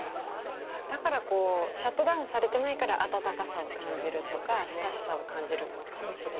だからこうシャットダウンされてないから暖かさを感じるとか親しさを感じるのかもしれないですね。